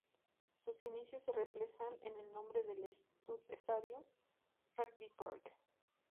Sus inicios se reflejan en el nombre del estadio, Rugby Park.